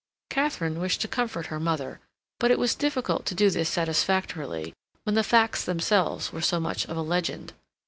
Katharine wished to comfort her mother, but it was difficult to do this satisfactorily when the facts themselves were so much of a legend.